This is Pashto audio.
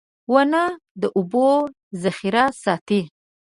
• ونه د اوبو ذخېره ساتي.